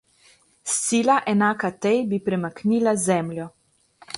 Sila, enaka tej, bi premaknila Zemljo.